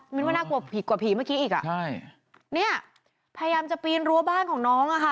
ว่าน่ากลัวผีกว่าผีเมื่อกี้อีกอ่ะใช่เนี่ยพยายามจะปีนรั้วบ้านของน้องอ่ะค่ะ